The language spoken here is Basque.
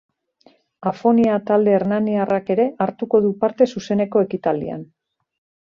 Afonia talde hernaniarrak ere hartuko du parte zuzeneko ekitaldian.